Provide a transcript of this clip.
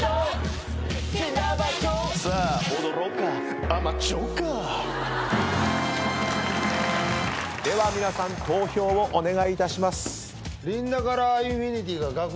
「さあ踊ろうかアイムアＪＯＫＥＲ」では皆さん投票をお願いいたします。